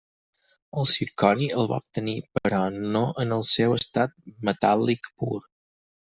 El zirconi el va obtenir però no en el seu estat metàl·lic pur.